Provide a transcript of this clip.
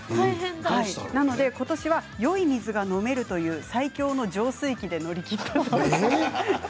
なので今年はよい水が飲めるという最強の浄水器で乗り切ったという。